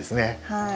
はい。